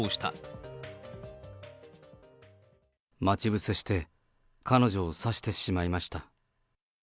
待ち伏せして、彼女を刺してしまいました。